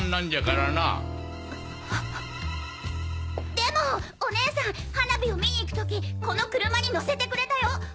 でもお姉さん花火を見に行く時この車に乗せてくれたよ！